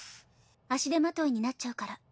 足手まといになっちゃうから。